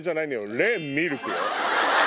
「レ・ミルク」よ。